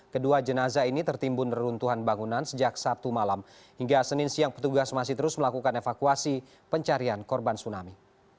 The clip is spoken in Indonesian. kedua jenazah ini tertimbun neruntuhan bangunan sejak sabtu malam hingga senin siang petugas masih terus melakukan evakuasi pencarian korban tsunami